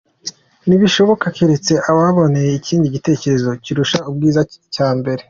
Ntibishoboka keretse ubaboneye ikindi gitekerezo kirusha ubwiza icya mbere.